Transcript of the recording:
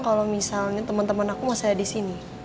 kalau misalnya temen temen aku mau saya disini